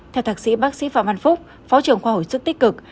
theo thạc sĩ bác sĩ phạm văn phúc phó trưởng khoa hồi sức tích cực